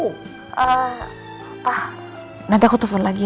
pak nanti aku telpon lagi